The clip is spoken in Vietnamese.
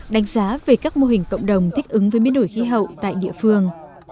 đánh giá về các mô hình cộng đồng thích ứng với biến đổi khí hậu tại địa phương